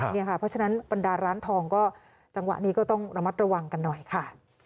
เพราะฉะนั้นบรรดาร้านทองก็จังหวะนี้ก็ต้องระมัดระวังกันหน่อยค่ะ